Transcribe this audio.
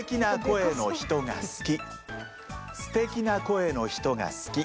「すてきな声の人が好き」。